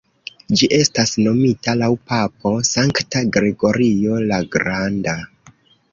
Ĝi estis nomita laŭ papo Sankta Gregorio la Granda.